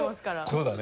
そうだね。